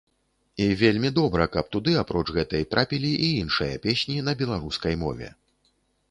І вельмі добра, каб туды апроч гэтай, трапілі і іншыя песні на беларускай мове.